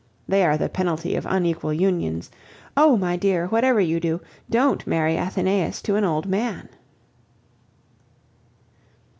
They are the penalty of unequal unions. Oh! my dear, whatever you do, don't marry Athenais to an old man!